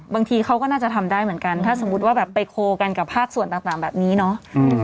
บางทีเขาก็น่าจะทำได้เหมือนกันถ้าสมมุติว่าแบบไปโคลกันกับภาคส่วนต่างแบบนี้เนาะ